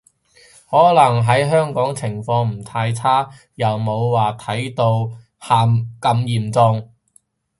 可能喺香港情況唔太差，又冇話睇到喊咁嚴重